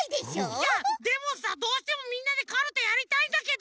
いやでもさどうしてもみんなでカルタやりたいんだけど！